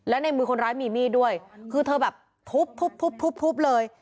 และในมือคนร้ายมีมีดด้วยคือเธอแบบทุบเลย